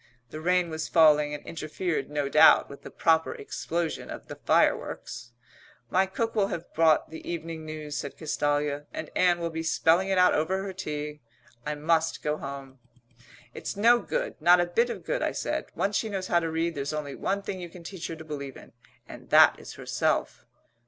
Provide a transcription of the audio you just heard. The rain was falling and interfered no doubt with the proper explosion of the fireworks. "My cook will have bought the Evening News," said Castalia, "and Ann will be spelling it out over her tea. I must go home." "It's no good not a bit of good," I said. "Once she knows how to read there's only one thing you can teach her to believe in and that is herself."